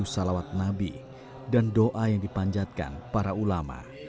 salawat nabi dan doa yang dipanjatkan para ulama